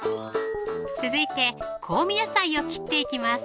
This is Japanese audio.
続いて香味野菜を切っていきます